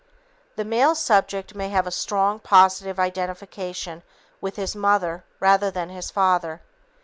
The male subject may have a strong, positive identification with his mother rather than his father.